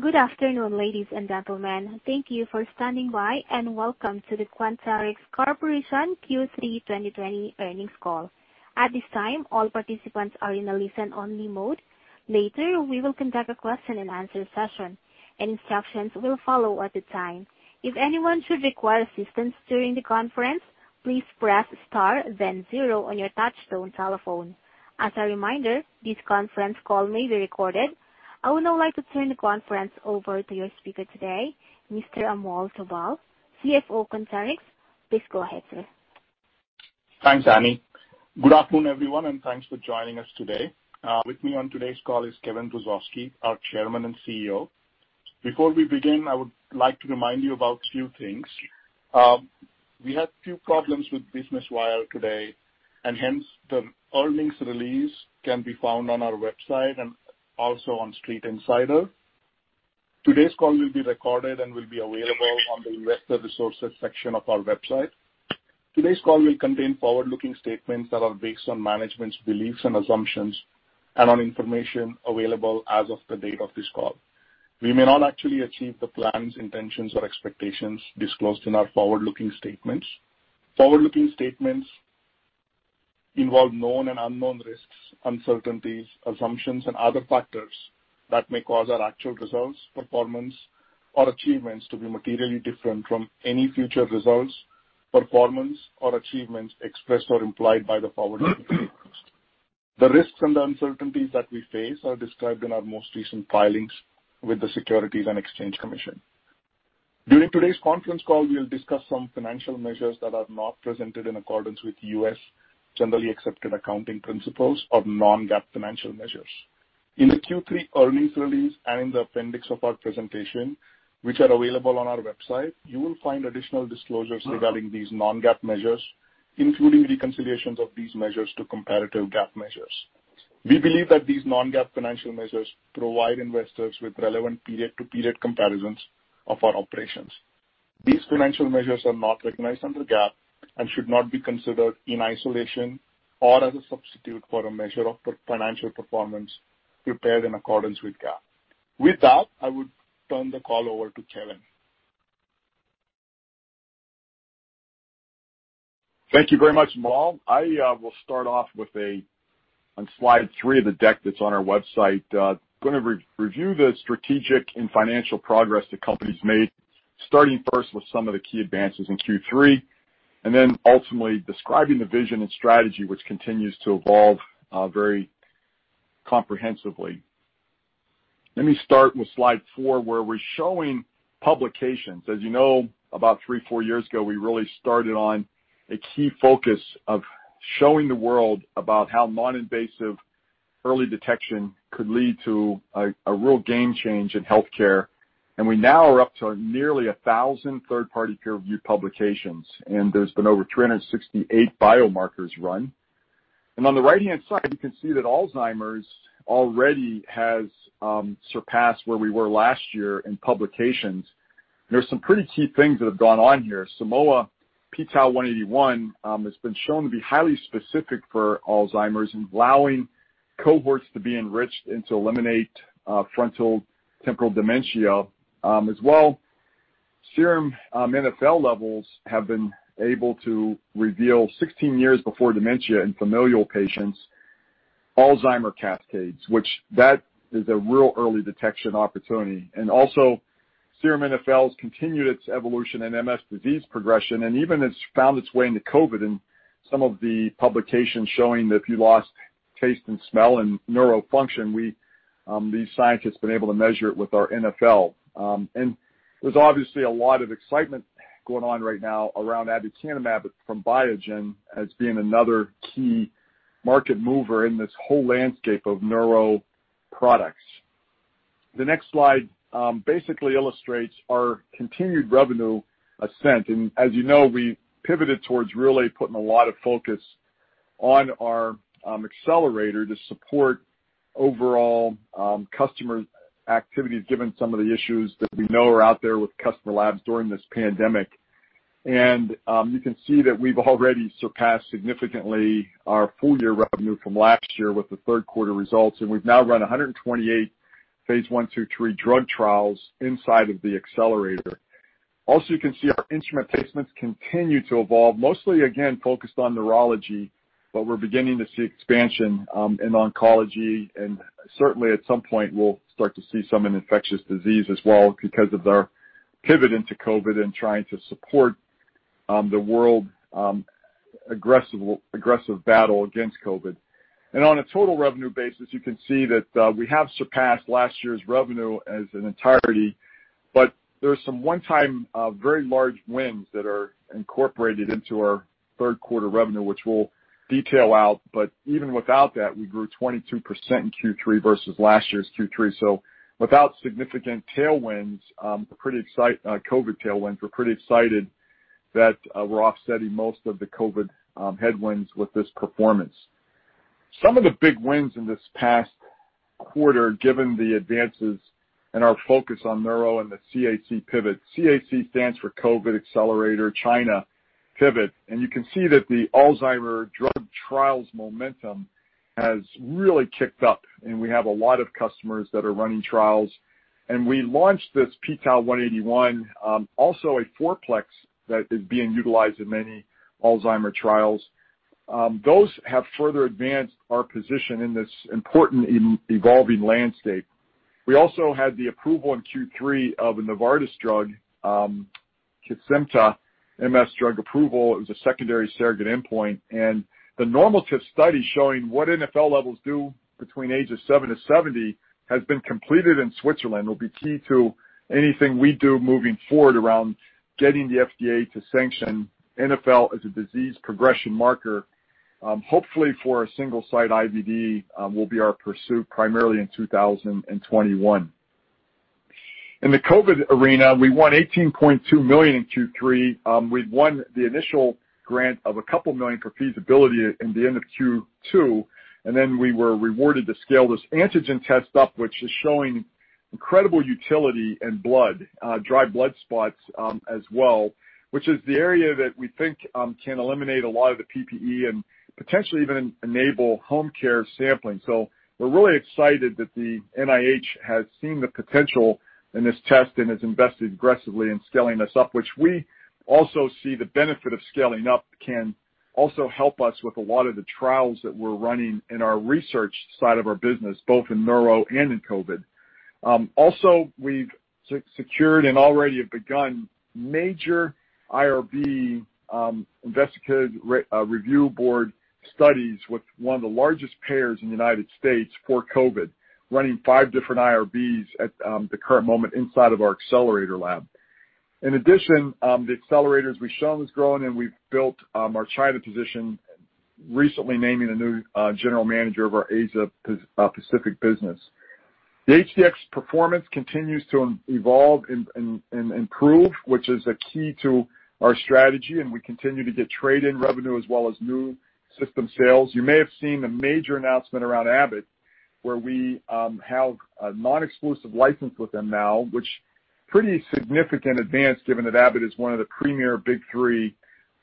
Good afternoon, ladies and gentlemen. Thank you for standing by. Welcome to the Quanterix Corporation Q3 2020 Earnings Call. At this time, all participants are in a listen-only mode. Later, we will conduct a question and answer session, and instructions will follow at the time. If anyone should request assistance during the conference, please press star then zero on your touchtone telephone. As a reminder, this conference call may be recorded. I would now like to turn the conference over to your speaker today, Mr. Amol Dhavale, Chief Financial Officer of Quanterix. Please go ahead, sir. Thanks, Annie. Good afternoon, everyone, and thanks for joining us today. With me on today's call is Kevin Hrusovsky, our Chairman and Chief Executive Officer. Before we begin, I would like to remind you about two things. We had few problems with Business Wire today, and hence the earnings release can be found on our website and also on StreetInsider. Today's call will be recorded and will be available on the investor resources section of our website. Today's call will contain forward-looking statements that are based on management's beliefs and assumptions and on information available as of the date of this call. We may not actually achieve the plans, intentions, or expectations disclosed in our forward-looking statements. Forward-looking statements involve known and unknown risks, uncertainties, assumptions, and other factors that may cause our actual results, performance, or achievements to be materially different from any future results, performance, or achievements expressed or implied by the forward-looking statements. The risks and the uncertainties that we face are described in our most recent filings with the Securities and Exchange Commission. During today's conference call, we'll discuss some financial measures that are not presented in accordance with U.S. generally accepted accounting principles or non-GAAP financial measures. In the Q3 earnings release and in the appendix of our presentation, which are available on our website, you will find additional disclosures regarding these non-GAAP measures, including reconciliations of these measures to comparative GAAP measures. We believe that these non-GAAP financial measures provide investors with relevant period-to-period comparisons of our operations. These financial measures are not recognized under GAAP and should not be considered in isolation or as a substitute for a measure of financial performance prepared in accordance with GAAP. With that, I would turn the call over to Kevin Hrusovsky. Thank you very much, Amol. I will start off on slide three of the deck that's on our website. I am going to review the strategic and financial progress the company's made, starting first with some of the key advances in Q3, and then ultimately describing the vision and strategy, which continues to evolve very comprehensively. Let me start with slide four, where we're showing publications. As you know, about three, four years ago, we really started on a key focus of showing the world about how non-invasive early detection could lead to a real game change in healthcare. We now are up to nearly 1,000 third-party peer-reviewed publications, and there's been over 368 biomarkers run. On the right-hand side, you can see that Alzheimer's already has surpassed where we were last year in publications. There's some pretty key things that have gone on here. Simoa p-tau181 has been shown to be highly specific for Alzheimer's and allowing cohorts to be enriched and to eliminate frontal temporal dementia. Serum neurofilament light chain levels have been able to reveal 16 years before dementia in familial patients, Alzheimer cascades, which that is a real early detection opportunity. Serum NfLs continued its evolution in multiple sclerosis disease progression, and even it's found its way into COVID in some of the publications showing that if you lost taste and smell and neuro function, these scientists have been able to measure it with our NfL. There's obviously a lot of excitement going on right now around aducanumab from Biogen as being another key market mover in this whole landscape of neuro products. The next slide basically illustrates our continued revenue ascent. As you know, we pivoted towards really putting a lot of focus on our accelerator to support overall customer activity, given some of the issues that we know are out there with customer labs during this pandemic. You can see that we've already surpassed significantly our full-year revenue from last year with the third quarter results, and we've now run 128 phase I through III drug trials inside of the accelerator. You can see our instrument placements continue to evolve, mostly again, focused on neurology, but we're beginning to see expansion in oncology and certainly at some point we'll start to see some in infectious disease as well because of our pivot into COVID and trying to support the world aggressive battle against COVID. On a total revenue basis, you can see that we have surpassed last year's revenue as an entirety, but there are some one-time, very large wins that are incorporated into our third quarter revenue, which we'll detail out. Even without that, we grew 22% in Q3 versus last year's Q3. Without significant COVID tailwinds, we're pretty excited that we're offsetting most of the COVID headwinds with this performance. Some of the big wins in this past quarter, given the advances and our focus on neuro and the CAC pivot. CAC stands for COVID Accelerator China pivot. You can see that the Alzheimer's drug trials momentum has really kicked up, and we have a lot of customers that are running trials. We launched this p-tau181, also a 4-Plex that is being utilized in many Alzheimer trials. Those have further advanced our position in this important evolving landscape. We also had the approval in Q3 of a Novartis drug, Kesimpta, MS drug approval. It was a secondary surrogate endpoint. The normative study showing what NfL levels do between age of seven to 70 has been completed in Switzerland, will be key to anything we do moving forward around getting the FDA to sanction NfL as a disease progression marker. Hopefully, for a single-site in vitro diagnostics, will be our pursuit primarily in 2021. In the COVID arena, we won $18.2 million in Q3. We'd won the initial grant of a couple million for feasibility in the end of Q2, and then we were rewarded to scale this antigen test up, which is showing incredible utility in blood, dried blood spots as well, which is the area that we think can eliminate a lot of the personal protective equipment and potentially even enable home care sampling. We're really excited that the National Institutes of Health has seen the potential in this test and has invested aggressively in scaling us up, which we also see the benefit of scaling up can also help us with a lot of the trials that we're running in our research side of our business, both in neuro and in COVID. We've secured and already have begun major institutional review board, investigative review board, studies with one of the largest payers in the United States for COVID, running five different IRBs at the current moment inside of our Accelerator lab. In addition, the Accelerators we've shown has grown, and we've built our China position, recently naming a new general manager of our Asia Pacific business. The HD-X performance continues to evolve and improve, which is a key to our strategy, and we continue to get trade-in revenue as well as new system sales. You may have seen the major announcement around Abbott, where we have a non-exclusive license with them now, which pretty significant advance given that Abbott is one of the premier big three.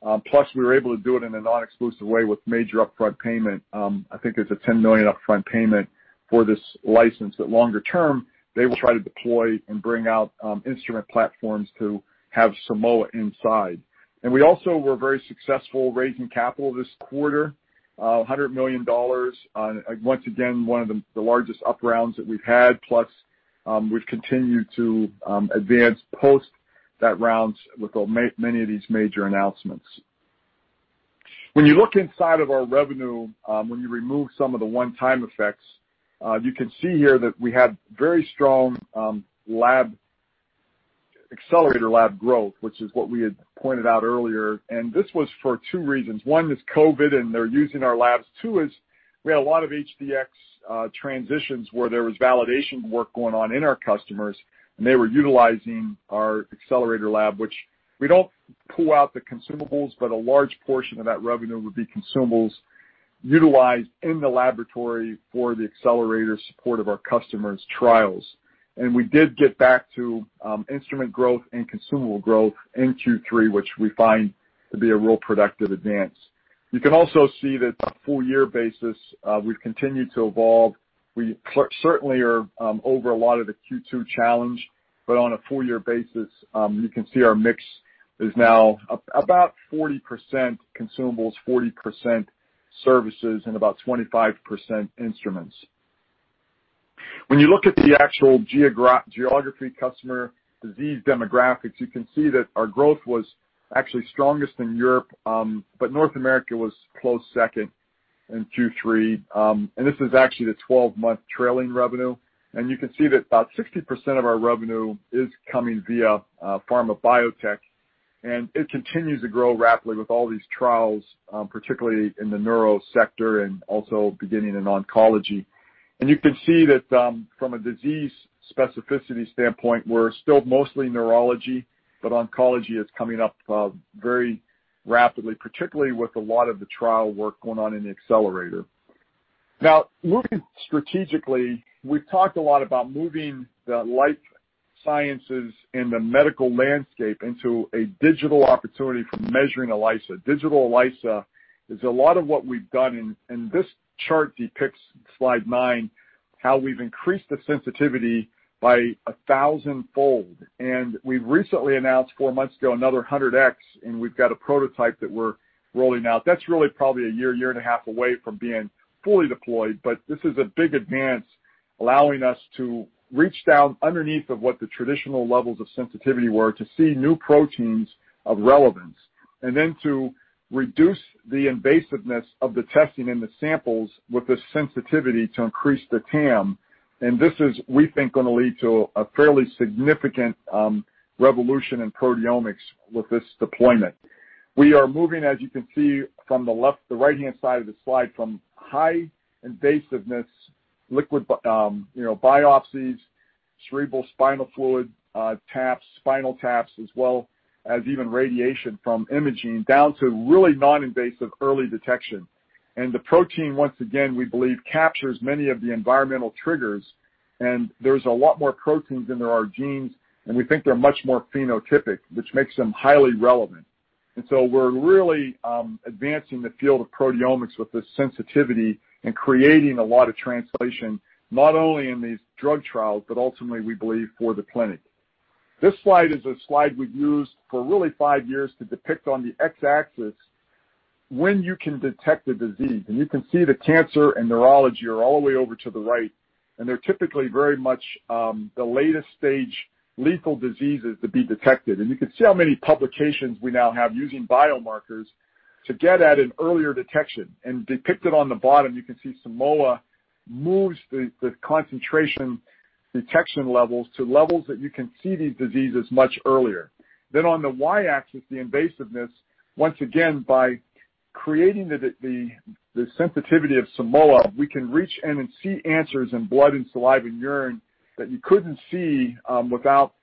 We were able to do it in a non-exclusive way with major upfront payment. I think there's a $10 million upfront payment for this license. Longer term, they will try to deploy and bring out instrument platforms to have Simoa inside. We also were very successful raising capital this quarter, $100 million. Once again, one of the largest up rounds that we've had, plus we've continued to advance post that rounds with many of these major announcements. When you look inside of our revenue, when you remove some of the one-time effects, you can see here that we had very strong Accelerator lab growth, which is what we had pointed out earlier. This was for two reasons. One is COVID, and they are using our labs. Two is we had a lot of HD-X transitions where there was validation work going on in our customers, and they were utilizing our Accelerator Lab, which we don't pull out the consumables, but a large portion of that revenue would be consumables utilized in the laboratory for the Accelerator support of our customers' trials. We did get back to instrument growth and consumable growth in Q3, which we find to be a real productive advance. You can also see that on a full year basis, we have continued to evolve. We certainly are over a lot of the Q2 challenge, but on a full year basis, you can see our mix is now about 40% consumables, 40% services, and about 25% instruments. When you look at the actual geography customer disease demographics, you can see that our growth was actually strongest in Europe, but North America was close second in Q3. This is actually the 12-month trailing revenue. You can see that about 60% of our revenue is coming via pharma biotech, and it continues to grow rapidly with all these trials, particularly in the neuro sector and also beginning in oncology. You can see that from a disease specificity standpoint, we're still mostly neurology, but oncology is coming up very rapidly, particularly with a lot of the trial work going on in the Accelerator. Now, looking strategically, we've talked a lot about moving the life sciences and the medical landscape into a digital opportunity for measuring enzyme-linked immunosorbent assay. Digital ELISA is a lot of what we've done, and this chart depicts, slide nine, how we've increased the sensitivity by 1,000-fold. We've recently announced four months ago, another 100x, and we've got a prototype that we're rolling out. That's really probably a year and a half away from being fully deployed, but this is a big advance, allowing us to reach down underneath of what the traditional levels of sensitivity were to see new proteins of relevance, and then to reduce the invasiveness of the testing and the samples with the sensitivity to increase the total addressable market. This is, we think, going to lead to a fairly significant revolution in proteomics with this deployment. We are moving, as you can see from the right-hand side of the slide, from high invasiveness liquid biopsies, cerebral spinal fluid taps, spinal taps, as well as even radiation from imaging, down to really non-invasive early detection. The protein, once again, we believe, captures many of the environmental triggers. There's a lot more proteins than there are genes, and we think they're much more phenotypic, which makes them highly relevant. We're really advancing the field of proteomics with this sensitivity and creating a lot of translation, not only in these drug trials, but ultimately, we believe, for the clinic. This slide is a slide we've used for really five years to depict on the X-axis when you can detect a disease. You can see that cancer and neurology are all the way over to the right, and they're typically very much the latest stage lethal diseases to be detected. You can see how many publications we now have using biomarkers to get at an earlier detection. Depicted on the bottom, you can see Simoa moves the concentration detection levels to levels that you can see these diseases much earlier. On the Y-axis, the invasiveness, once again, by creating the sensitivity of Simoa, we can reach in and see answers in blood and saliva and urine that you couldn't see without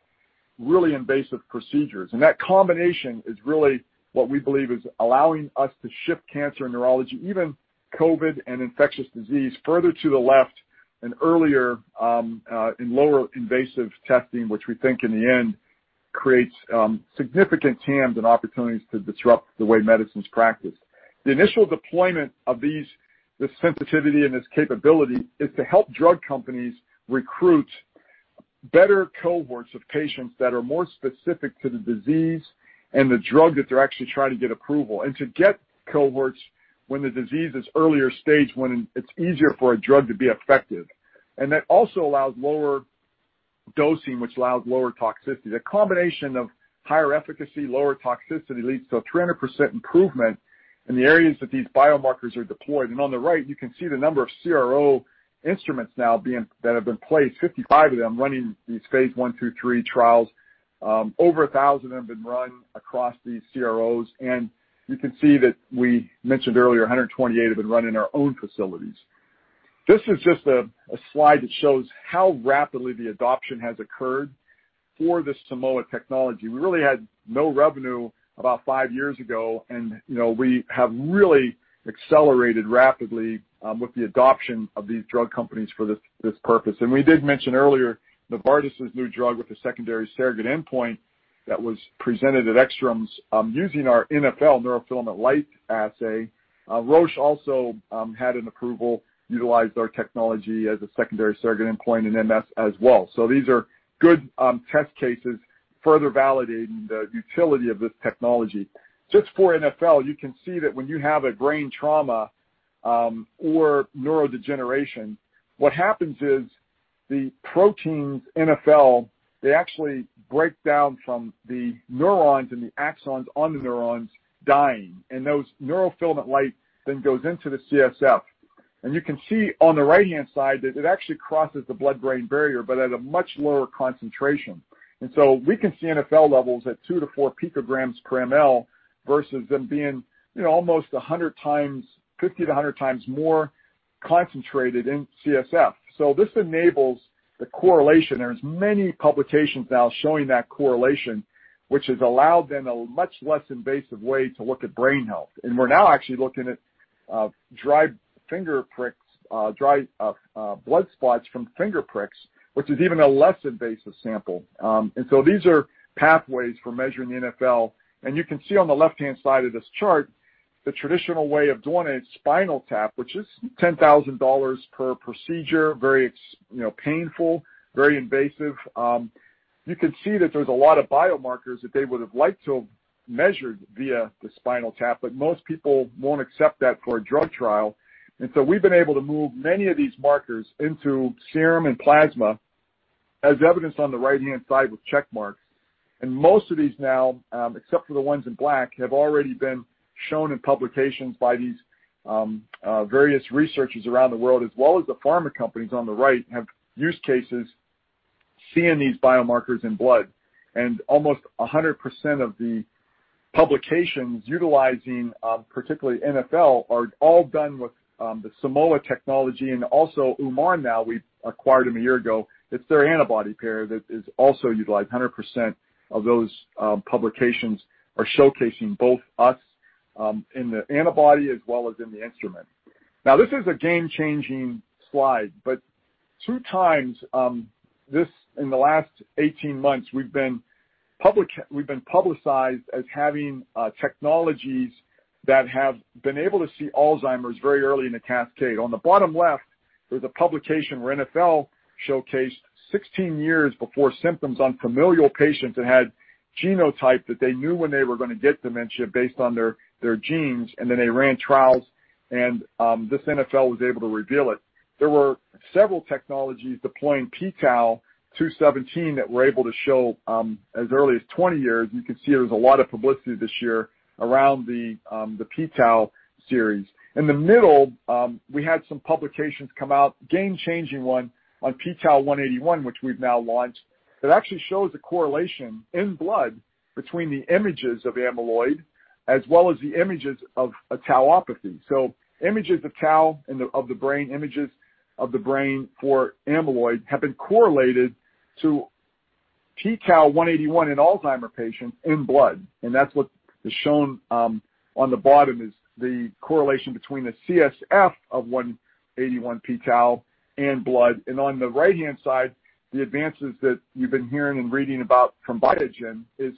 really invasive procedures. That combination is really what we believe is allowing us to shift cancer and neurology, even COVID and infectious disease, further to the left and earlier in lower invasive testing, which we think in the end creates significant TAMs and opportunities to disrupt the way medicine's practiced. The initial deployment of this sensitivity and this capability is to help drug companies recruit better cohorts of patients that are more specific to the disease and the drug that they're actually trying to get approval, and to get cohorts when the disease is earlier stage, when it's easier for a drug to be effective. That also allows lower dosing, which allows lower toxicity. The combination of higher efficacy, lower toxicity, leads to a 300% improvement in the areas that these biomarkers are deployed. On the right, you can see the number of CRO instruments now that have been placed, 55 of them running these phase I through III trials. Over 1,000 have been run across these CROs, you can see that we mentioned earlier, 128 have been run in our own facilities. This is just a slide that shows how rapidly the adoption has occurred for the Simoa technology. We really had no revenue about five years ago, we have really accelerated rapidly with the adoption of these drug companies for this purpose. We did mention earlier, Novartis' new drug with a secondary surrogate endpoint that was presented at European Committee for Treatment and Research in Multiple Sclerosis using our NfL, neurofilament light assay. Roche also had an approval, utilized our technology as a secondary surrogate endpoint in MS as well. These are good test cases further validating the utility of this technology. Just for NfL, you can see that when you have a brain trauma or neurodegeneration, what happens is the proteins, NfL, they actually break down from the neurons and the axons on the neurons dying, and those neurofilament light then goes into the cerebrospinal fluid. You can see on the right-hand side that it actually crosses the blood-brain barrier, but at a much lower concentration. We can see NfL levels at two to four picograms per ML versus them being almost 50x-100x more concentrated in CSF. This enables the correlation. There's many publications now showing that correlation, which has allowed then a much less invasive way to look at brain health. We're now actually looking at dried blood spots from finger pricks, which is even a less invasive sample. These are pathways for measuring NfL. You can see on the left-hand side of this chart, the traditional way of doing a spinal tap, which is $10,000 per procedure, very painful, very invasive. You can see that there's a lot of biomarkers that they would have liked to have measured via the spinal tap, but most people won't accept that for a drug trial. We've been able to move many of these markers into serum and plasma, as evidenced on the right-hand side with check marks. Most of these now, except for the ones in black, have already been shown in publications by these various researchers around the world, as well as the pharma companies on the right have use cases seeing these biomarkers in blood. Almost 100% of the publications utilizing, particularly NfL, are all done with the Simoa technology and also Uman now, we acquired them a year ago. It's their antibody pair that is also utilized. 100% of those publications are showcasing both us in the antibody as well as in the instrument. Now, this is a game-changing slide, but 2x, in the last 18 months, we've been publicized as having technologies that have been able to see Alzheimer's very early in the cascade. On the bottom left, there's a publication where NfL showcased 16 years before symptoms on familial patients that had genotype that they knew when they were going to get dementia based on their genes, and then they ran trials, and this NfL was able to reveal it. There were several technologies deploying p-tau217 that were able to show as early as 20 years. You can see there was a lot of publicity this year around the p-tau series. In the middle, we had some publications come out, game-changing one on p-tau181, which we've now launched, that actually shows a correlation in blood between the images of amyloid as well as the images of a tauopathy. Images of tau of the brain, images of the brain for amyloid, have been correlated to p-tau181 in Alzheimer patients in blood, and that's what is shown on the bottom is the correlation between the CSF of 181 p-tau and blood. On the right-hand side, the advances that you've been hearing and reading about from Biogen is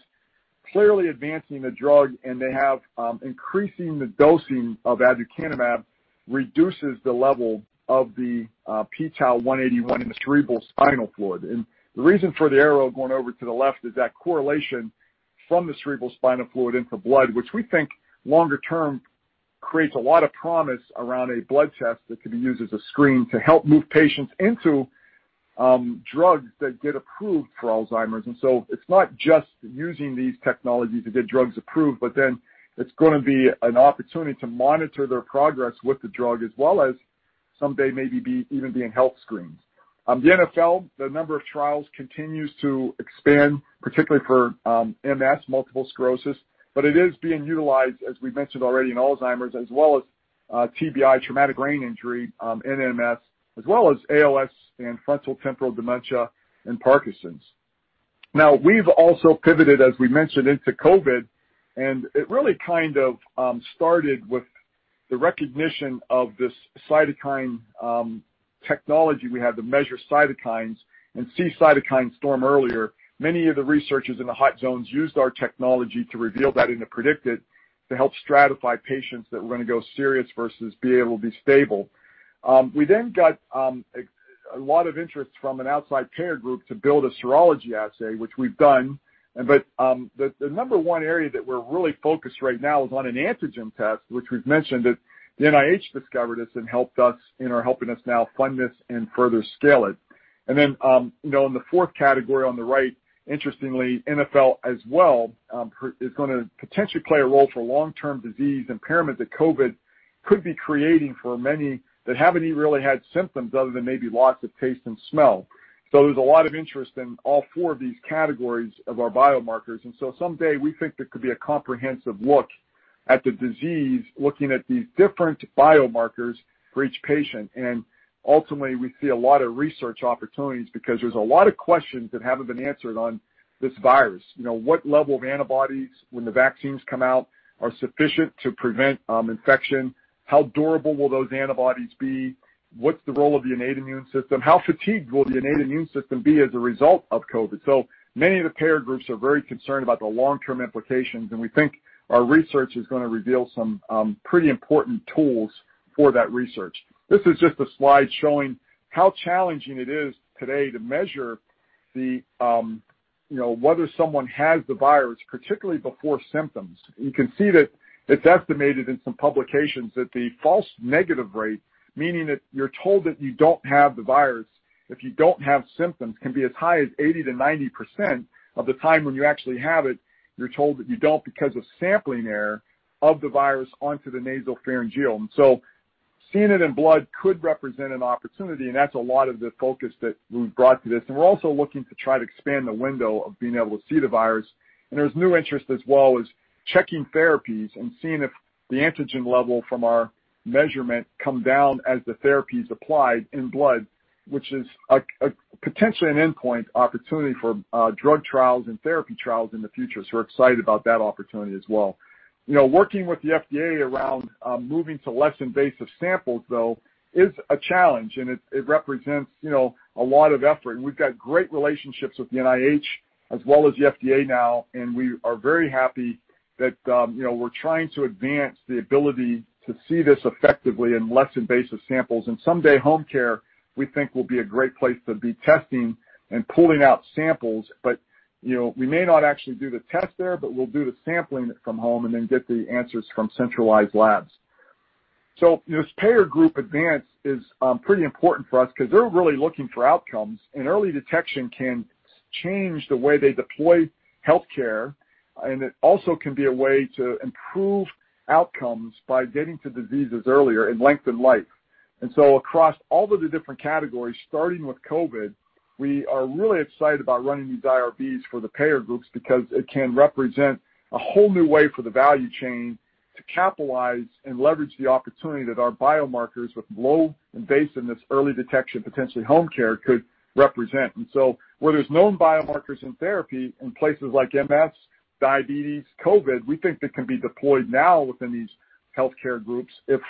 clearly advancing the drug, and they have increasing the dosing of aducanumab reduces the level of the p-tau181 in the cerebral spinal fluid. The reason for the arrow going over to the left is that correlation from the cerebral spinal fluid into blood, which we think longer term creates a lot of promise around a blood test that could be used as a screen to help move patients into drugs that get approved for Alzheimer's. It's not just using these technologies to get drugs approved, but then it's going to be an opportunity to monitor their progress with the drug as well as someday maybe even being health screens. The NfL, the number of trials continues to expand, particularly for MS, multiple sclerosis, but it is being utilized, as we've mentioned already, in Alzheimer's as well as TBI, traumatic brain injury, in MS, as well as ALS and frontal temporal dementia and Parkinson's. We've also pivoted, as we mentioned, into COVID, and it really kind of started with the recognition of this cytokine technology. We have to measure cytokines and see cytokine storm earlier. Many of the researchers in the hot zones used our technology to reveal that and to predict it, to help stratify patients that were going to go serious versus be able to be stable. We then got a lot of interest from an outside payer group to build a serology assay, which we've done. The number one area that we're really focused right now is on an antigen test, which we've mentioned that the NIH discovered this and helped us and are helping us now fund this and further scale it. In the category four on the right, interestingly, NfL as well is going to potentially play a role for long-term disease impairment that COVID could be creating for many that haven't even really had symptoms other than maybe loss of taste and smell. There's a lot of interest in all four of these categories of our biomarkers, someday we think there could be a comprehensive look at the disease, looking at these different biomarkers for each patient. Ultimately, we see a lot of research opportunities because there's a lot of questions that haven't been answered on this virus. What level of antibodies, when the vaccines come out, are sufficient to prevent infection? How durable will those antibodies be? What's the role of the innate immune system? How fatigued will the innate immune system be as a result of COVID? Many of the payer groups are very concerned about the long-term implications, and we think our research is going to reveal some pretty important tools for that research. This is just a slide showing how challenging it is today to measure whether someone has the virus, particularly before symptoms. You can see that it's estimated in some publications that the false negative rate, meaning that you're told that you don't have the virus if you don't have symptoms, can be as high as 80%-90% of the time when you actually have it, you're told that you don't because of sampling error of the virus onto the nasopharyngeal. Seeing it in blood could represent an opportunity, and that's a lot of the focus that we've brought to this. We're also looking to try to expand the window of being able to see the virus. There's new interest as well as checking therapies and seeing if the antigen level from our measurement come down as the therapy is applied in blood, which is potentially an endpoint opportunity for drug trials and therapy trials in the future. We're excited about that opportunity as well. Working with the FDA around moving to less invasive samples, though, is a challenge, and it represents a lot of effort. We've got great relationships with the NIH as well as the FDA now, and we are very happy that we're trying to advance the ability to see this effectively in less invasive samples. Someday, home care, we think, will be a great place to be testing and pulling out samples. We may not actually do the test there, but we'll do the sampling from home and then get the answers from centralized labs. This payer group advance is pretty important for us because they're really looking for outcomes, and early detection can change the way they deploy healthcare, and it also can be a way to improve outcomes by getting to diseases earlier and lengthen life. Across all of the different categories, starting with COVID, we are really excited about running these IRBs for the payer groups because it can represent a whole new way for the value chain to capitalize and leverage the opportunity that our biomarkers with low invasiveness, early detection, potentially home care, could represent. Where there's known biomarkers in therapy in places like MS, diabetes, COVID, we think that can be deployed now within these healthcare groups. If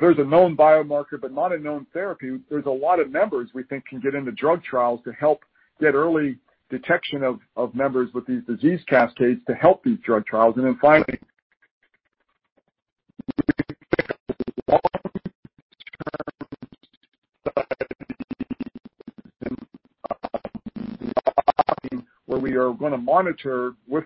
there's a known biomarker but not a known therapy, there's a lot of members we think can get into drug trials to help get early detection of members with these disease cascades to help these drug trials. Then finally, where we are going to monitor with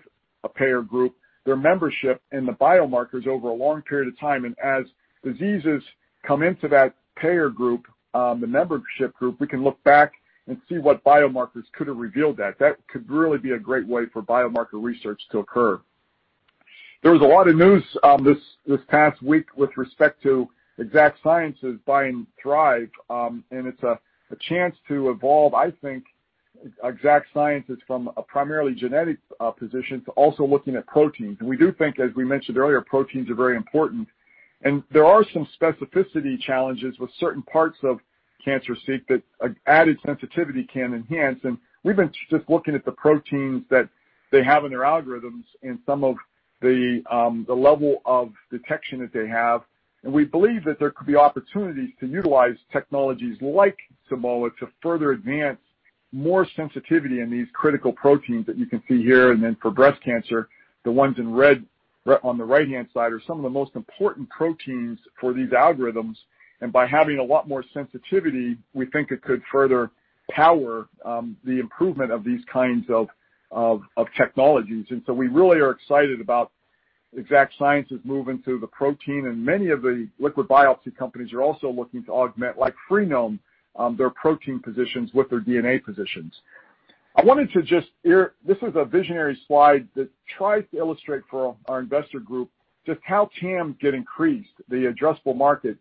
a payer group, their membership, and the biomarkers over a long period of time. As diseases come into that payer group, the membership group, we can look back and see what biomarkers could have revealed that. That could really be a great way for biomarker research to occur. There was a lot of news this past week with respect to Exact Sciences buying Thrive. It's a chance to evolve, I think, Exact Sciences from a primarily genetic position to also looking at proteins. We do think, as we mentioned earlier, proteins are very important. There are some specificity challenges with certain parts of CancerSEEK that added sensitivity can enhance. We've been just looking at the proteins that they have in their algorithms and some of the level of detection that they have, and we believe that there could be opportunities to utilize technologies like Simoa to further advance more sensitivity in these critical proteins that you can see here. Then for breast cancer, the ones in red on the right-hand side are some of the most important proteins for these algorithms. By having a lot more sensitivity, we think it could further power the improvement of these kinds of technologies. We really are excited about Exact Sciences moving to the protein, and many of the liquid biopsy companies are also looking to augment, like Freenome, their protein positions with their DNA positions. This is a visionary slide that tries to illustrate for our investor group just how TAM get increased, the addressable market,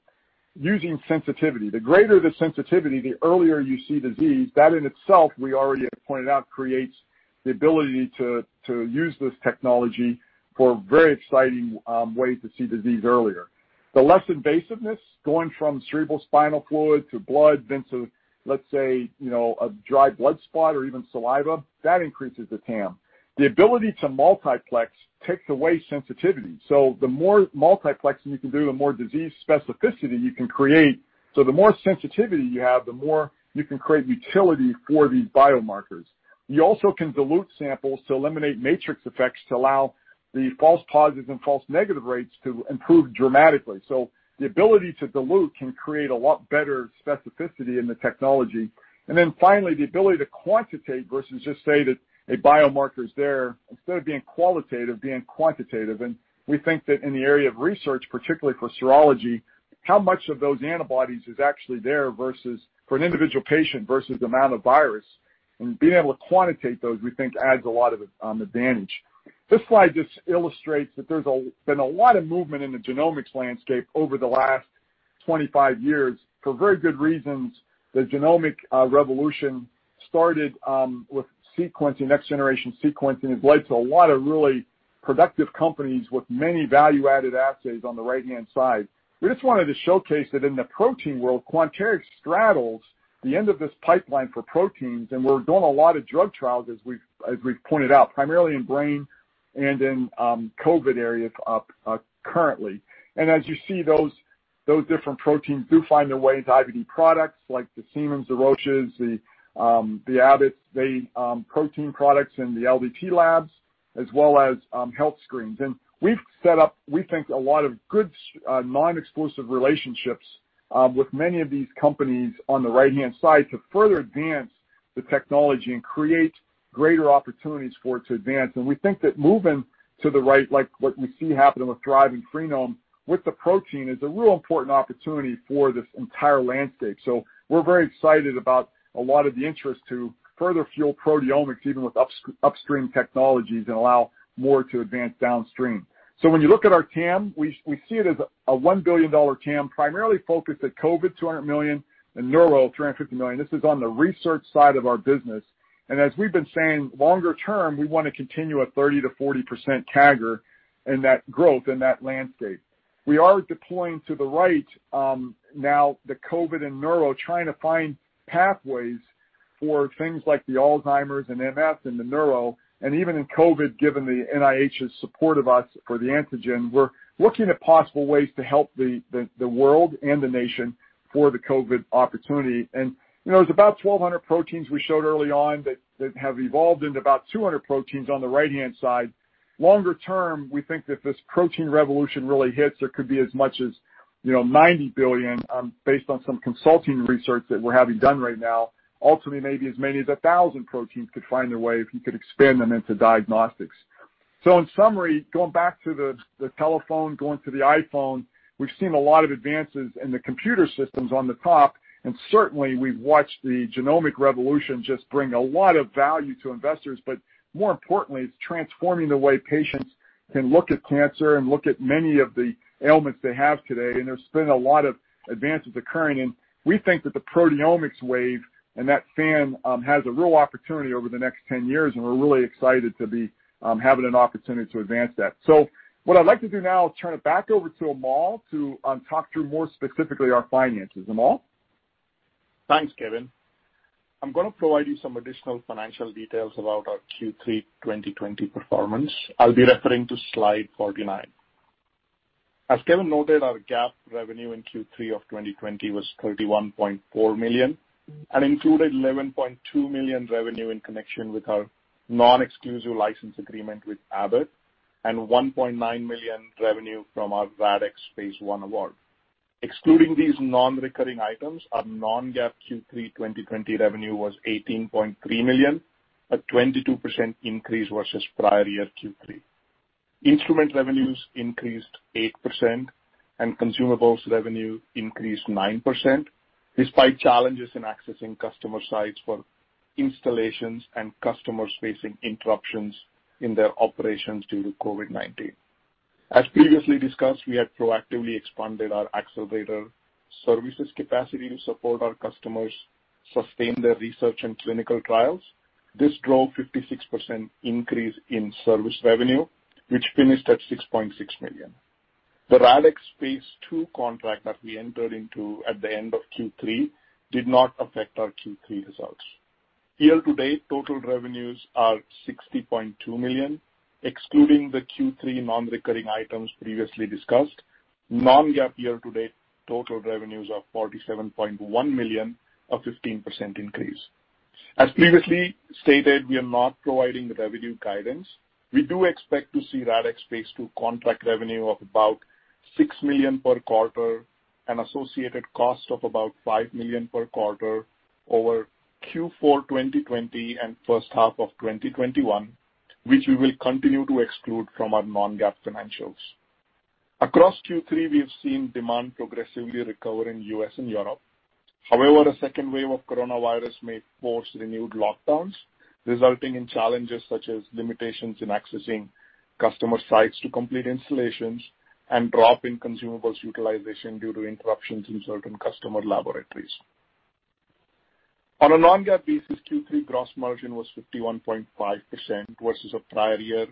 using sensitivity. The greater the sensitivity, the earlier you see disease. That in itself, we already had pointed out, creates the ability to use this technology for very exciting ways to see disease earlier. The less invasiveness, going from cerebrospinal fluid to blood, then to, let's say, a dry blood spot or even saliva, that increases the TAM. The ability to multiplex takes away sensitivity, so the more multiplexing you can do, the more disease specificity you can create. The more sensitivity you have, the more you can create utility for these biomarkers. You also can dilute samples to eliminate matrix effects to allow the false positives and false negative rates to improve dramatically. The ability to dilute can create a lot better specificity in the technology. Finally, the ability to quantitate versus just say that a biomarker is there, instead of being qualitative, being quantitative. We think that in the area of research, particularly for serology, how much of those antibodies is actually there for an individual patient versus the amount of virus, and being able to quantitate those, we think adds a lot of advantage. This slide just illustrates that there's been a lot of movement in the genomics landscape over the last 25 years for very good reasons. The genomic revolution started with sequencing, next-generation sequencing, and has led to a lot of really productive companies with many value-added assays on the right-hand side. We just wanted to showcase that in the protein world, Quanterix straddles the end of this pipeline for proteins, and we're doing a lot of drug trials, as we've pointed out, primarily in brain and in COVID areas currently. As you see, those different proteins do find their way into IVD products, like the Siemens, the Roche, the Abbott, the protein products in the laboratory developed test labs, as well as health screens. We've set up, we think, a lot of good non-exclusive relationships with many of these companies on the right-hand side to further advance the technology and create greater opportunities for it to advance. We think that moving to the right, like what we see happening with Thrive and Freenome with the protein, is a real important opportunity for this entire landscape. We're very excited about a lot of the interest to further fuel proteomics, even with upstream technologies, and allow more to advance downstream. When you look at our TAM, we see it as a $1 billion TAM, primarily focused at COVID, $200 million, and neuro, $350 million. This is on the research side of our business. As we've been saying, longer term, we want to continue a 30%-40% CAGR in that growth, in that landscape. We are deploying to the right, now, the COVID and neuro, trying to find pathways for things like the Alzheimer's and MS in the neuro. Even in COVID, given the NIH's support of us for the antigen, we're looking at possible ways to help the world and the nation for the COVID opportunity. There's about 1,200 proteins we showed early on that have evolved into about 200 proteins on the right-hand side. Longer term, we think that this protein revolution really hits, there could be as much as $90 billion, based on some consulting research that we're having done right now. Ultimately, maybe as many as 1,000 proteins could find their way if you could expand them into diagnostics. In summary, going back to the telephone, going to the iPhone, we've seen a lot of advances in the computer systems on the top, and certainly, we've watched the genomic revolution just bring a lot of value to investors. More importantly, it's transforming the way patients can look at cancer and look at many of the ailments they have today, and there's been a lot of advances occurring. We think that the proteomics wave and that front has a real opportunity over the next 10 years, and we're really excited to be having an opportunity to advance that. What I'd like to do now is turn it back over to Amol to talk through more specifically our finances. Amol Dhavale? Thanks, Kevin. I'm going to provide you some additional financial details about our Q3 2020 performance. I'll be referring to slide 49. As Kevin noted, our GAAP revenue in Q3 of 2020 was $31.4 million and included $11.2 million revenue in connection with our non-exclusive license agreement with Abbott and $1.9 million revenue from our Rapid Acceleration of Diagnostics phase I award. Excluding these non-recurring items, our non-GAAP Q3 2020 revenue was $18.3 million, a 22% increase versus prior year Q3. Instrument revenues increased 8% and consumables revenue increased 9%, despite challenges in accessing customer sites for installations and customers facing interruptions in their operations due to COVID-19. As previously discussed, we had proactively expanded our accelerator services capacity to support our customers sustain their research and clinical trials. This drove 56% increase in service revenue, which finished at $6.6 million. The RADx phase II contract that we entered into at the end of Q3 did not affect our Q3 results. Year to date, total revenues are $60.2 million, excluding the Q3 non-recurring items previously discussed. Non-GAAP year to date, total revenues are $47.1 million, a 15% increase. As previously stated, we are not providing the revenue guidance. We do expect to see RADx phase II contract revenue of about $6 million per quarter and associated cost of about $5 million per quarter over Q4 2020 and first half of 2021, which we will continue to exclude from our non-GAAP financials. Across Q3, we have seen demand progressively recover in U.S. and Europe. However, a second wave of coronavirus may force renewed lockdowns, resulting in challenges such as limitations in accessing customer sites to complete installations and drop in consumables utilization due to interruptions in certain customer laboratories. On a non-GAAP basis, Q3 gross margin was 51.5% versus a prior year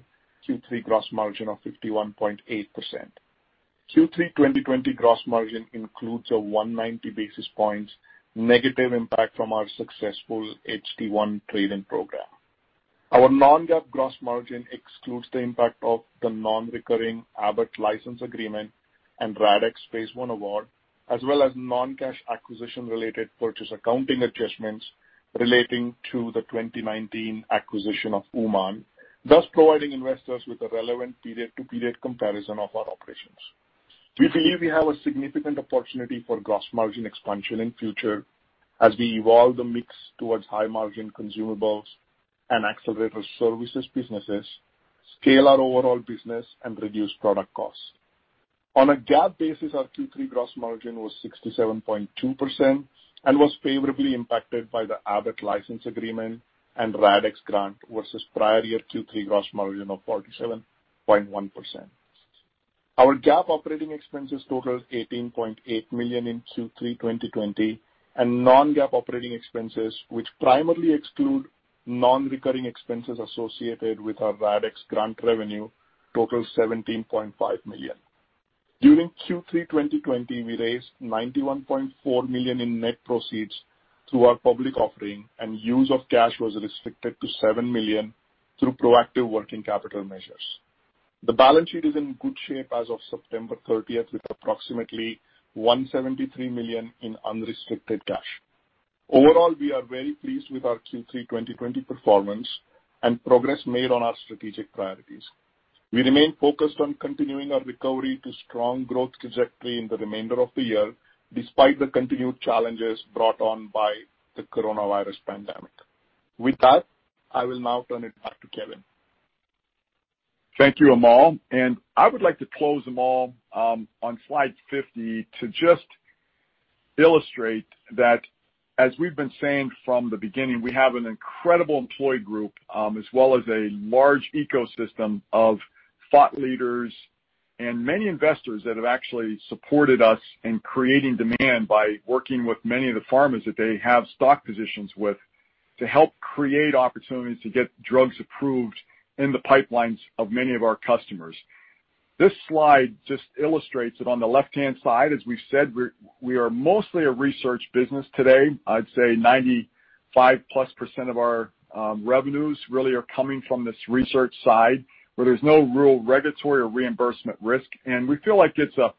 Q3 gross margin of 51.8%. Q3 2020 gross margin includes a 190 basis points negative impact from our successful HD-1 trade-in program. Our non-GAAP gross margin excludes the impact of the non-recurring Abbott license agreement and RADx phase I award, as well as non-cash acquisition related purchase accounting adjustments relating to the 2019 acquisition of Uman, thus providing investors with a relevant period-to-period comparison of our operations. We believe we have a significant opportunity for gross margin expansion in future as we evolve the mix towards high-margin consumables and accelerator services businesses, scale our overall business, and reduce product costs. On a GAAP basis, our Q3 gross margin was 67.2% and was favorably impacted by the Abbott license agreement and RADx grant versus prior year Q3 gross margin of 47.1%. Our GAAP operating expenses totaled $18.8 million in Q3 2020, and non-GAAP operating expenses, which primarily exclude non-recurring expenses associated with our RADx grant revenue, totaled $17.5 million. During Q3 2020, we raised $91.4 million in net proceeds through our public offering and use of cash was restricted to $7 million through proactive working capital measures. The balance sheet is in good shape as of September 30th, with approximately $173 million in unrestricted cash. Overall, we are very pleased with our Q3 2020 performance and progress made on our strategic priorities. We remain focused on continuing our recovery to strong growth trajectory in the remainder of the year, despite the continued challenges brought on by the coronavirus pandemic. With that, I will now turn it back to Kevin Hrusovsky. Thank you, Amol. I would like to close, Amol, on slide 50 to just illustrate that as we've been saying from the beginning, we have an incredible employee group, as well as a large ecosystem of thought leaders and many investors that have actually supported us in creating demand by working with many of the pharmas that they have stock positions with to help create opportunities to get drugs approved in the pipelines of many of our customers. This slide just illustrates it on the left-hand side. As we've said, we are mostly a research business today. I'd say 95+% of our revenues really are coming from this research side where there's no real regulatory or reimbursement risk, and we feel like it's a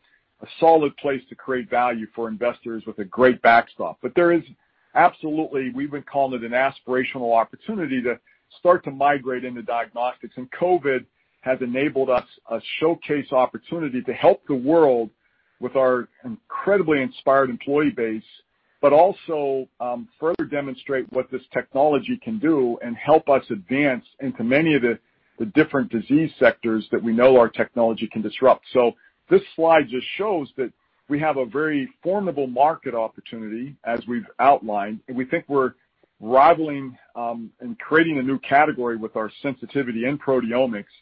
solid place to create value for investors with a great backstop. There is absolutely, we've been calling it an aspirational opportunity to start to migrate into diagnostics, and COVID has enabled us a showcase opportunity to help the world with our incredibly inspired employee base, but also, further demonstrate what this technology can do and help us advance into many of the different disease sectors that we know our technology can disrupt. This slide just shows that we have a very formidable market opportunity, as we've outlined, and we think we're rivaling, and creating a new category with our sensitivity in proteomics.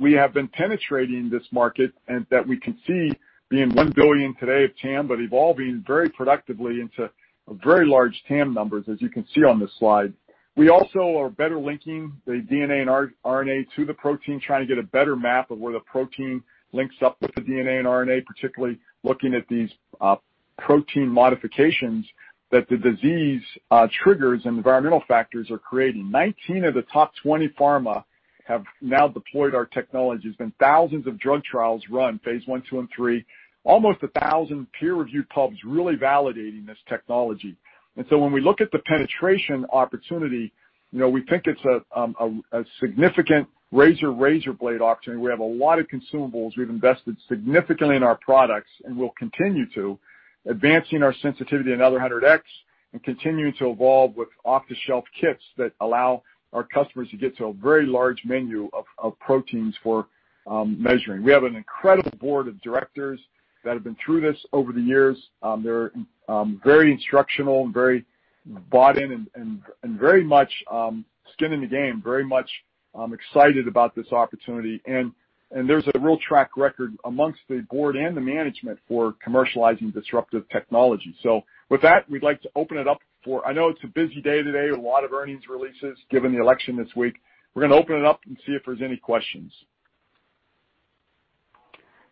We have been penetrating this market and that we can see being $1 billion today of TAM, but evolving very productively into a very large TAM numbers, as you can see on this slide. We also are better linking the deoxyribonucleic acid and ribonucleic acid to the protein, trying to get a better map of where the protein links up with the DNA and RNA, particularly looking at these protein modifications that the disease triggers and environmental factors are creating. 19 of the top 20 pharma have now deployed our technologies, and thousands of drug trials run phase I, phase II, and phase III, almost 1,000 peer-reviewed publications really validating this technology. When we look at the penetration opportunity, we think it's a significant razor/razor blade opportunity. We have a lot of consumables. We've invested significantly in our products and will continue to, advancing our sensitivity another 100x and continuing to evolve with off-the-shelf kits that allow our customers to get to a very large menu of proteins for measuring. We have an incredible board of directors that have been through this over the years. They're very instructional and very bought in and very much skin in the game, very much excited about this opportunity. There's a real track record amongst the board and the management for commercializing disruptive technology. With that, we'd like to open it up for, I know it's a busy day today, a lot of earnings releases given the election this week. We're going to open it up and see if there's any questions.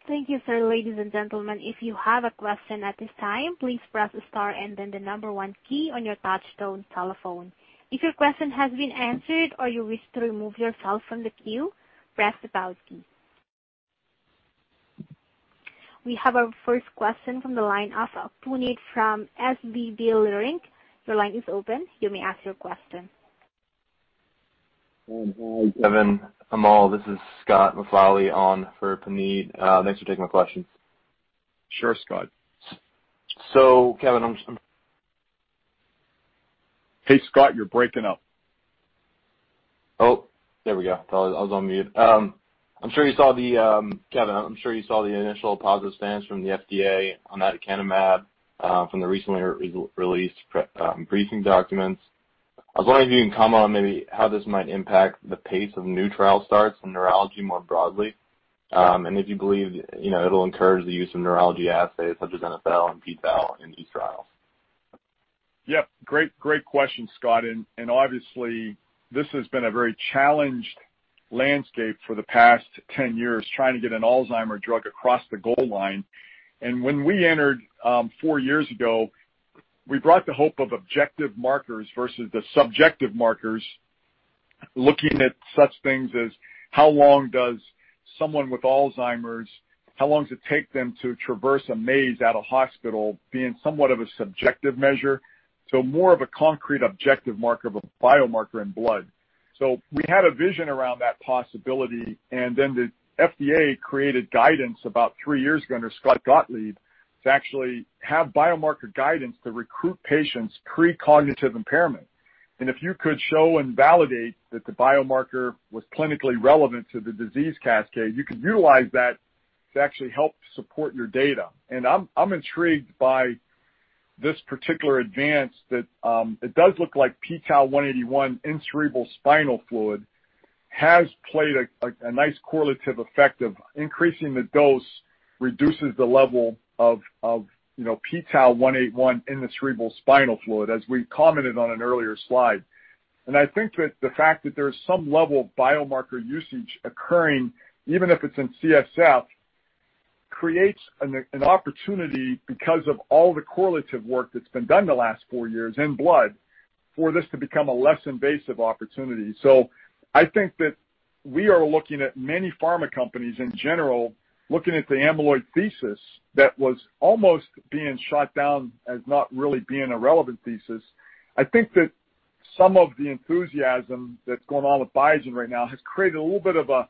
Thank you, sir. Ladies and gentlemen, if you have a question at this time, please press star and then the number one key on your touchtone telephone. If your question has been answered or you wish to remove yourself from the queue, press the pound key. We have our first question from the line of Puneet from SVB Leerink. Your line is open. You may ask your question. Hi, Kevin. Amol, this is Scott McFarlane on for Puneet. Thanks for taking my question. Sure, Scott. Kevin. Hey, Scott, you're breaking up. There we go. Thought I was on mute. Kevin, I'm sure you saw the initial positive stance from the FDA on aducanumab from the recently released briefing documents. I was wondering if you can comment on maybe how this might impact the pace of new trial starts in neurology more broadly, and if you believe it'll encourage the use of neurology assays such as NfL and p-tau in these trials. Yep. Great question, Scott. Obviously, this has been a very challenged landscape for the past 10 years, trying to get an Alzheimer drug across the goal line. When we entered four years ago, we brought the hope of objective markers versus the subjective markers, looking at such things as how long does someone with Alzheimer's, how long does it take them to traverse a maze at a hospital, being somewhat of a subjective measure to more of a concrete, objective marker of a biomarker in blood. We had a vision around that possibility, then the FDA created guidance about three years ago under Scott Gottlieb to actually have biomarker guidance to recruit patients pre-cognitive impairment. If you could show and validate that the biomarker was clinically relevant to the disease cascade, you could utilize that to actually help support your data. I'm intrigued by this particular advance that it does look like p-tau181 in cerebrospinal fluid has played a nice correlative effect of increasing the dose, reduces the level of p-tau181 in the cerebrospinal fluid, as we commented on an earlier slide. I think that the fact that there is some level of biomarker usage occurring, even if it's in CSF, creates an opportunity because of all the correlative work that's been done in the last four years in blood for this to become a less invasive opportunity. I think that we are looking at many pharma companies in general, looking at the amyloid thesis that was almost being shot down as not really being a relevant thesis. I think that some of the enthusiasm that's going on with Biogen right now has created a little bit of a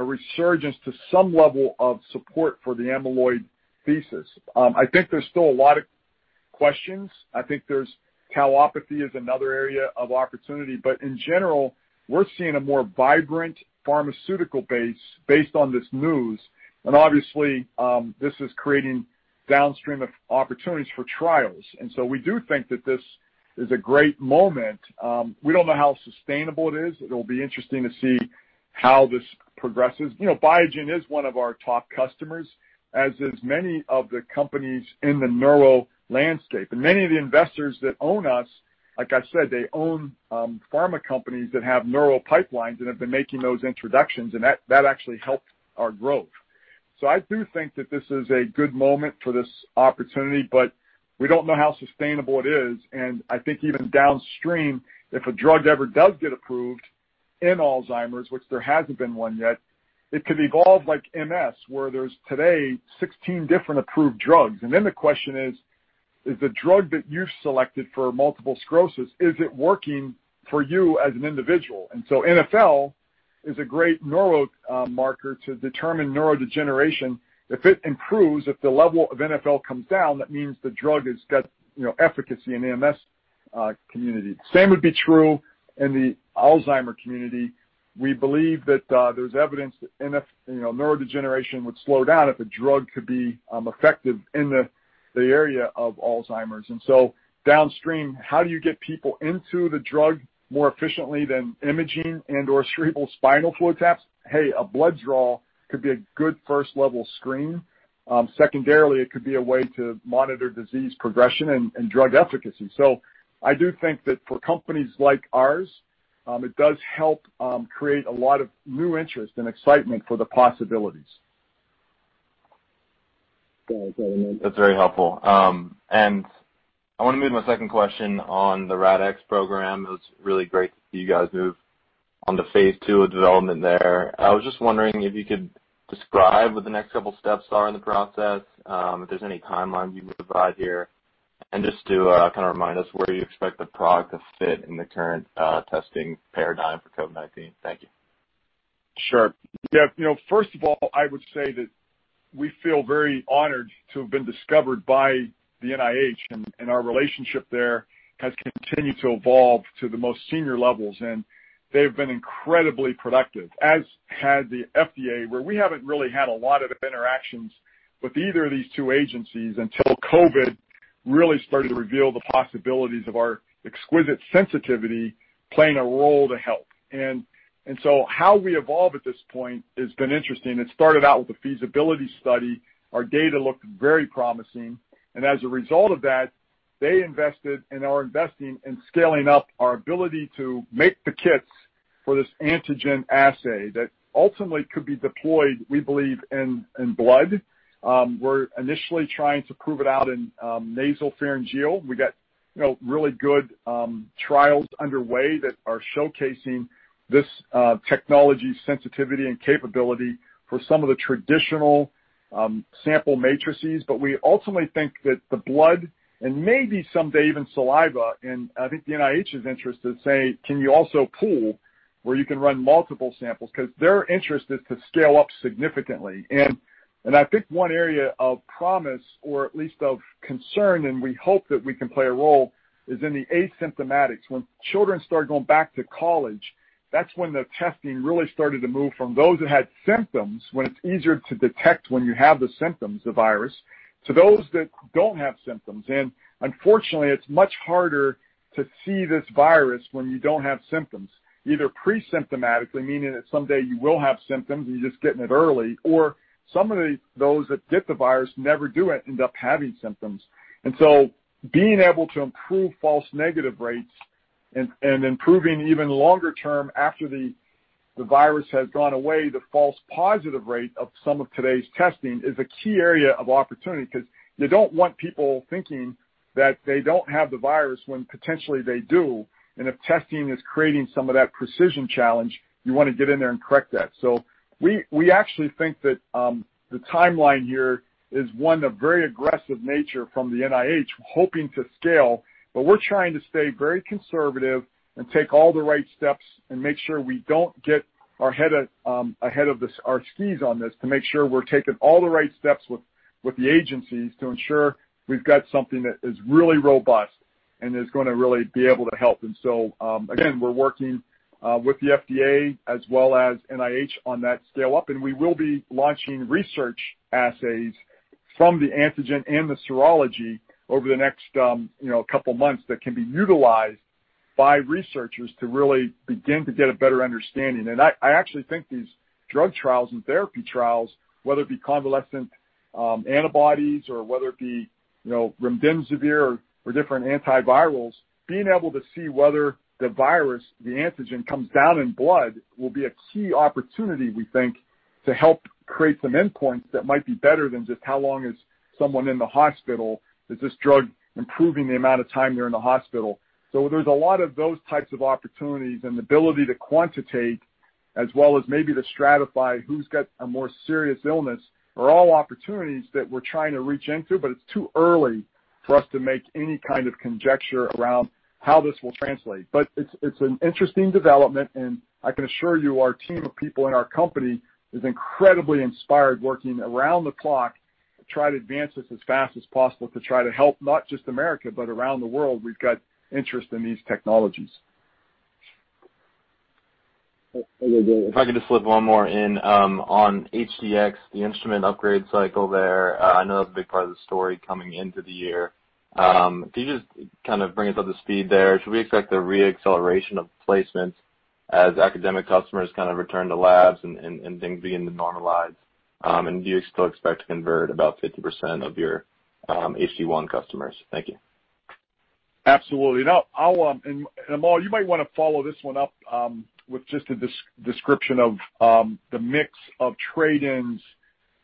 resurgence to some level of support for the amyloid thesis. I think there's still a lot of questions. I think there's tauopathy is another area of opportunity. In general, we're seeing a more vibrant pharmaceutical base based on this news. Obviously, this is creating downstream of opportunities for trials. We do think that this is a great moment. We don't know how sustainable it is. It'll be interesting to see how this progresses. Biogen is one of our top customers, as is many of the companies in the neuro landscape. Many of the investors that own us, like I said, they own pharma companies that have neuro pipelines and have been making those introductions, and that actually helped our growth. I do think that this is a good moment for this opportunity, but we don't know how sustainable it is, and I think even downstream, if a drug ever does get approved in Alzheimer's, which there hasn't been one yet, it could evolve like MS, where there's today 16 different approved drugs. Then the question is the drug that you selected for multiple sclerosis, is it working for you as an individual? NfL is a great neuro marker to determine neurodegeneration. If it improves, if the level of NfL comes down, that means the drug has got efficacy in the MS community. Same would be true in the Alzheimer community. We believe that there's evidence that neurodegeneration would slow down if a drug could be effective in the area of Alzheimer's. Downstream, how do you get people into the drug more efficiently than imaging and/or cerebral spinal fluid taps? Hey, a blood draw could be a good first level screen. Secondarily, it could be a way to monitor disease progression and drug efficacy. I do think that for companies like ours, it does help create a lot of new interest and excitement for the possibilities. That's very helpful. I want to move my second question on the RADx program. It was really great to see you guys move on to phase II of development there. I was just wondering if you could describe what the next couple steps are in the process, if there's any timeline you would provide here, and just to kind of remind us where you expect the product to fit in the current testing paradigm for COVID-19. Thank you. Sure. Yeah. First of all, I would say that we feel very honored to have been discovered by the NIH, and our relationship there has continued to evolve to the most senior levels, and they've been incredibly productive, as had the FDA, where we haven't really had a lot of interactions with either of these two agencies until COVID really started to reveal the possibilities of our exquisite sensitivity playing a role to help. How we evolve at this point has been interesting. It started out with a feasibility study. Our data looked very promising, and as a result of that, they invested and are investing in scaling up our ability to make the kits for this antigen assay that ultimately could be deployed, we believe, in blood. We're initially trying to prove it out in nasopharyngeal. We got really good trials underway that are showcasing this technology's sensitivity and capability for some of the traditional sample matrices. We ultimately think that the blood, and maybe someday even saliva, and I think the NIH is interested, saying, "Can you also pool where you can run multiple samples?" Their interest is to scale up significantly. I think one area of promise, or at least of concern, and we hope that we can play a role, is in the asymptomatics. When children started going back to college, that's when the testing really started to move from those that had symptoms, when it's easier to detect when you have the symptoms, the virus, to those that don't have symptoms. Unfortunately, it's much harder to see this virus when you don't have symptoms, either pre-symptomatically, meaning that someday you will have symptoms and you're just getting it early, or some of those that get the virus never do end up having symptoms. Being able to improve false negative rates and improving, even longer term, after the virus has gone away, the false positive rate of some of today's testing is a key area of opportunity, because you don't want people thinking that they don't have the virus when potentially they do, and if testing is creating some of that precision challenge, you want to get in there and correct that. We actually think that the timeline here is one of very aggressive nature from the NIH, hoping to scale, but we're trying to stay very conservative and take all the right steps and make sure we don't get our head ahead of our skis on this to make sure we're taking all the right steps with the agencies to ensure we've got something that is really robust and is going to really be able to help. Again, we're working with the FDA as well as NIH on that scale-up, and we will be launching research assays from the antigen and the serology over the next couple months that can be utilized by researchers to really begin to get a better understanding. I actually think these drug trials and therapy trials, whether it be convalescent antibodies or whether it be remdesivir or different antivirals, being able to see whether the virus, the antigen, comes down in blood will be a key opportunity, we think, to help create some endpoints that might be better than just how long is someone in the hospital, is this drug improving the amount of time they're in the hospital? There's a lot of those types of opportunities, and the ability to quantitate as well as maybe to stratify who's got a more serious illness are all opportunities that we're trying to reach into, but it's too early for us to make any kind of conjecture around how this will translate. It's an interesting development, and I can assure you our team of people in our company is incredibly inspired, working around the clock to try to advance this as fast as possible to try to help not just the U.S., but around the world, we've got interest in these technologies. If I could just slip one more in on HD-X, the instrument upgrade cycle there, I know that was a big part of the story coming into the year. Could you just bring us up to speed there? Should we expect a re-acceleration of placements as academic customers return to labs and things begin to normalize? Do you still expect to convert about 50% of your HD-1 customers? Thank you. Absolutely. Amol, you might want to follow this one up with just a description of the mix of trade-ins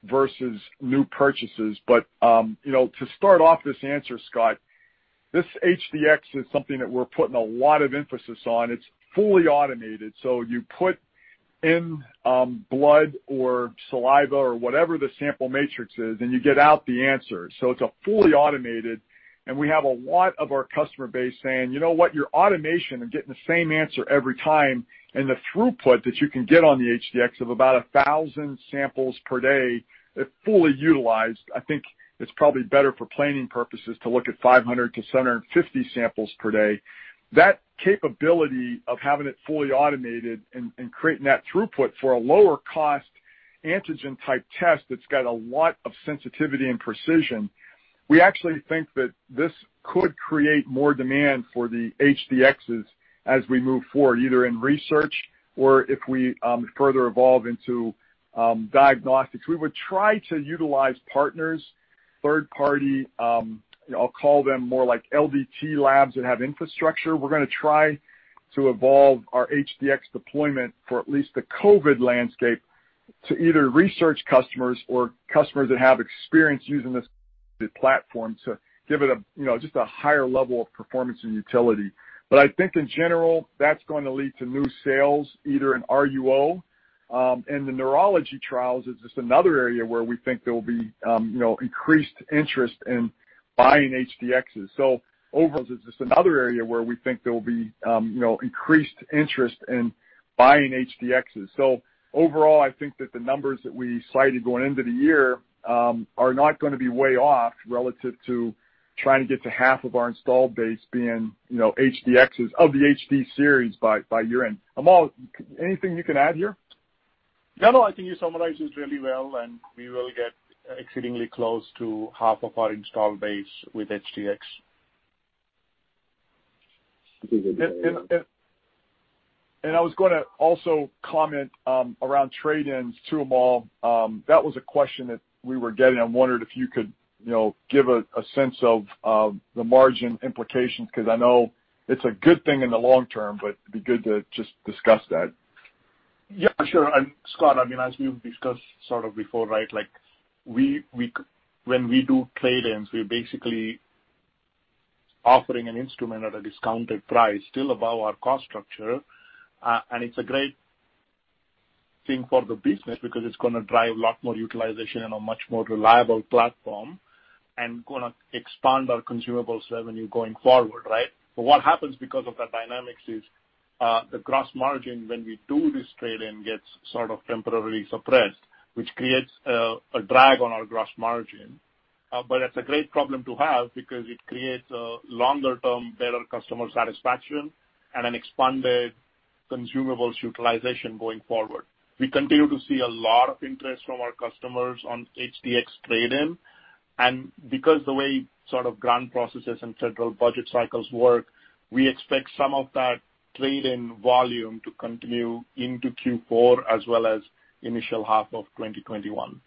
versus new purchases. To start off this answer, Scott, this HD-X is something that we're putting a lot of emphasis on. It's fully automated. You put in blood or saliva or whatever the sample matrix is, and you get out the answer. It's fully automated, and we have a lot of our customer base saying, "You know what? Your automation and getting the same answer every time, and the throughput that you can get on the HD-X of about 1,000 samples per day, if fully utilized," I think it's probably better for planning purposes to look at 500-750 samples per day. That capability of having it fully automated and creating that throughput for a lower cost antigen-type test that's got a lot of sensitivity and precision, we actually think that this could create more demand for the HDXs as we move forward, either in research or if we further evolve into diagnostics. We would try to utilize partners, third party, I'll call them more like LDT labs that have infrastructure. We're going to try to evolve our HD-X deployment for at least the COVID landscape to either research customers or customers that have experience using this platform to give it just a higher level of performance and utility. I think in general, that's going to lead to new sales, either in research use only, and the neurology trials is just another area where we think there will be increased interest in buying HDXs. Overall, it's just another area where we think there will be increased interest in buying HDXs. Overall, I think that the numbers that we cited going into the year are not going to be way off relative to trying to get to half of our installed base being HDXs of the HD series by year-end. Amol, anything you can add here? No, I think you summarized it really well, and we will get exceedingly close to half of our install base with HD-X. I was going to also comment around trade-ins too, Amol. That was a question that we were getting. I wondered if you could give a sense of the margin implications, because I know it's a good thing in the long term, but it'd be good to just discuss that. Yeah, sure. Scott, as we've discussed sort of before, right, when we do trade-ins, we're basically offering an instrument at a discounted price, still above our cost structure. It's a great thing for the business, because it's going to drive a lot more utilization and a much more reliable platform, and going to expand our consumables revenue going forward, right? What happens because of that dynamic is, the gross margin, when we do this trade-in, gets sort of temporarily suppressed, which creates a drag on our gross margin. It's a great problem to have, because it creates a longer-term, better customer satisfaction and an expanded consumables utilization going forward. We continue to see a lot of interest from our customers on HD-X trade-in. Because the way sort of grant processes and federal budget cycles work, we expect some of that trade-in volume to continue into Q4 as well as initial half of 2021.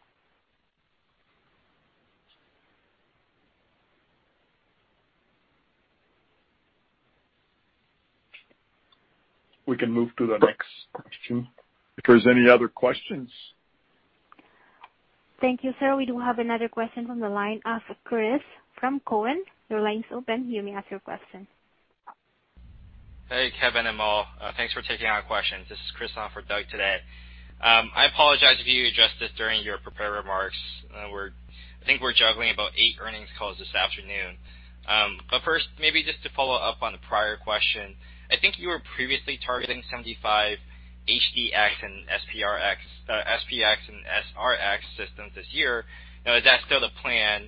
We can move to the next question. If there's any other questions? Thank you, sir. We do have another question from the line of Chris Masucci from Cowen. Your line is open. You may ask your question. Hey, Kevin and Amol. Thanks for taking our questions. This is Chris on for Doug today. I apologize if you addressed this during your prepared remarks. I think we're juggling about eight earnings calls this afternoon. First, maybe just to follow up on the prior question, I think you were previously targeting 75 HD-X and SP-X and SR-X systems this year. Is that still the plan?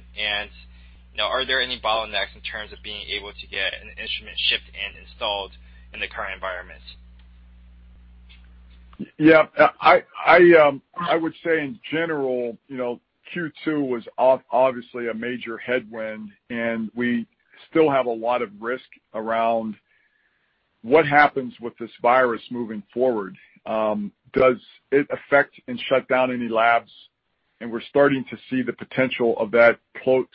Are there any bottlenecks in terms of being able to get an instrument shipped and installed in the current environment? Yeah. I would say in general, Q2 was obviously a major headwind. We still have a lot of risk around what happens with this virus moving forward. Does it affect and shut down any labs? We're starting to see the potential of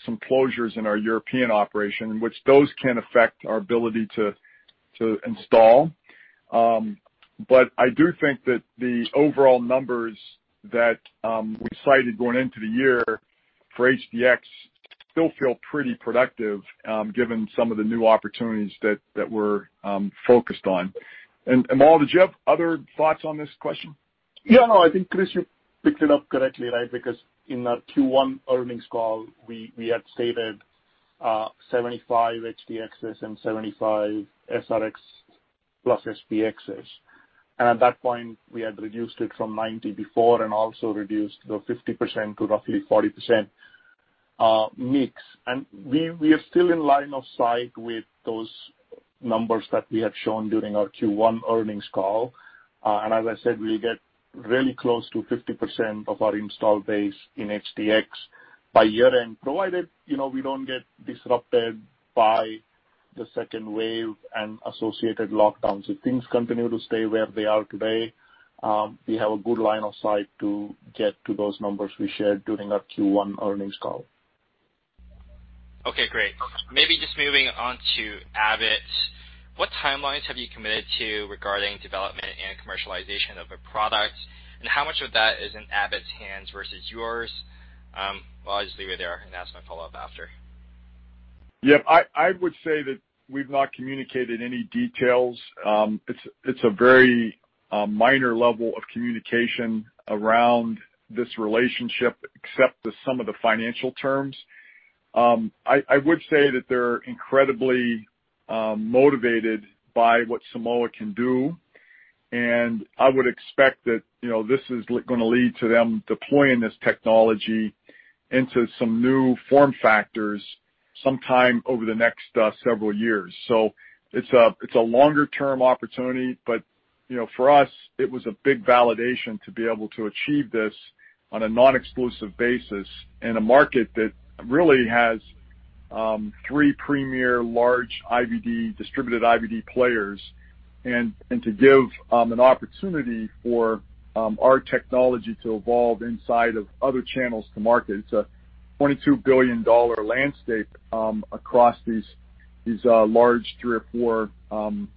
some closures in our European operation, which those can affect our ability to install. I do think that the overall numbers that we cited going into the year for HD-X still feel pretty productive, given some of the new opportunities that we're focused on. Amol, did you have other thoughts on this question? Yeah, no, I think, Chris, you picked it up correctly, right? In our Q1 earnings call, we had stated 75 HD-X and 75 SR-X plus SPXs. At that point, we had reduced it from 90 before and also reduced the 50% to roughly 40% mix. We are still in line of sight with those numbers that we had shown during our Q1 earnings call. As I said, we'll get really close to 50% of our install base in HDX by year-end, provided we don't get disrupted by the second wave and associated lockdowns. If things continue to stay where they are today, we have a good line of sight to get to those numbers we shared during our Q1 earnings call. Okay, great. Maybe just moving on to Abbott. What timelines have you committed to regarding development and commercialization of a product, and how much of that is in Abbott's hands versus yours? Well, I'll just leave it there and ask my follow-up after. Yeah. I would say that we've not communicated any details. It's a very minor level of communication around this relationship, except to some of the financial terms. I would say that they're incredibly motivated by what Simoa can do. I would expect that this is going to lead to them deploying this technology into some new form factors sometime over the next several years. It's a longer-term opportunity, but for us, it was a big validation to be able to achieve this on a non-exclusive basis in a market that really has three premier large distributed IVD players. To give an opportunity for our technology to evolve inside of other channels to market. It's a $22 billion landscape across these large three or four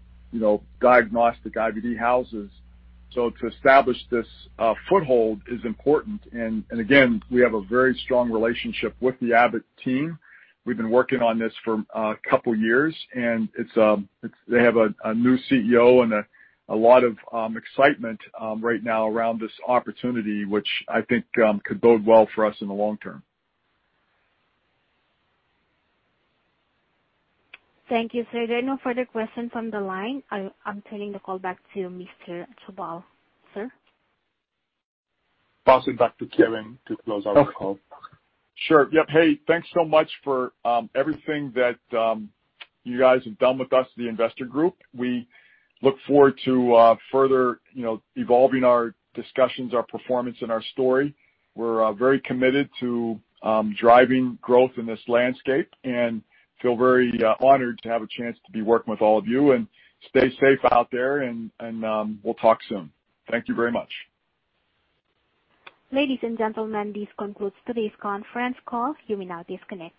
diagnostic IVD houses. To establish this foothold is important. Again, we have a very strong relationship with the Abbott team. We've been working on this for a couple of years, and they have a new CEO and a lot of excitement right now around this opportunity, which I think could bode well for us in the long term. Thank you. There are no further questions on the line. I'm turning the call back to Mr. Dhavale. Sir. Pass it back to Kevin to close our call. Sure. Yep. Hey, thanks so much for everything that you guys have done with us, the investor group. We look forward to further evolving our discussions, our performance, and our story. We're very committed to driving growth in this landscape and feel very honored to have a chance to be working with all of you. Stay safe out there, and we'll talk soon. Thank you very much. Ladies and gentlemen, this concludes today's conference call. You may now disconnect.